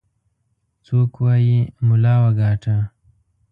څوك وايي ملا وګاټه.